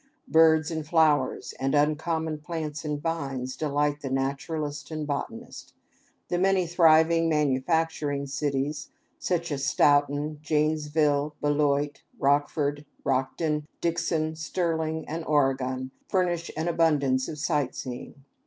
Birds and flowers, and uncommon plants and vines, delight the naturalist and the botanist. The many thriving manufacturing cities, such as Stoughton, Janesville, Beloit, Rockford, Rockton, Dixon, Sterling, and Oregon, furnish an abundance of sight seeing.